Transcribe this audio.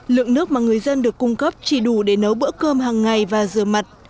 lượng nước mà người dân được cung cấp chỉ đủ để nấu bữa cơm hàng ngày và rửa mặt